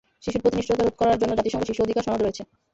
শিশুর প্রতি নিষ্ঠুরতা রোধ করার জন্য জাতিসংঘ শিশু অধিকার সনদ রয়েছে।